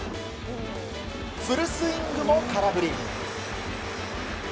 フルスイングも空振り。